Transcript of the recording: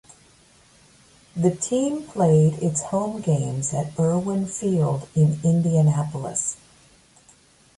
The team played its home games at Irwin Field in Indianapolis.